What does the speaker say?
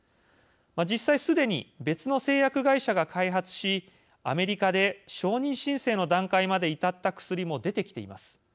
実際すでに別の製薬会社が開発しアメリカで承認申請の段階まで至った薬も出てきています。